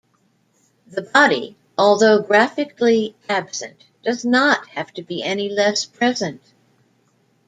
The body, although graphically absent, does not have to be any less present.